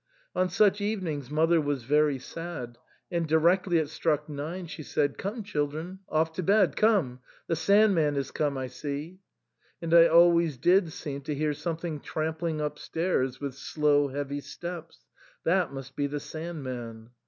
On such evenings mother was very sad ; and directly it struck nine she said, " Come, chil dren ! off to bed ! Come ! The * Sand man ' is come I see." And I always did seem to hear something tramp ling upstairs with slow heavy steps ; that must be the Sand man.